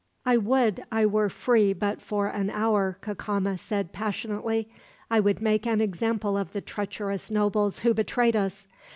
"I would I were free but for an hour," Cacama said passionately. "I would make an example of the treacherous nobles who betrayed us.